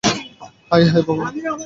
হায় হায় ভগবান!